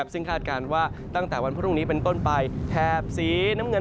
ซึ่งคาดการณ์ว่าตั้งแต่วันพรุ่งนี้เป็นต้นไปแถบสีน้ำเงิน